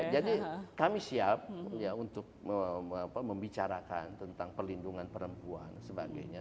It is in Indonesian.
jadi kami siap untuk membicarakan tentang perlindungan perempuan dan sebagainya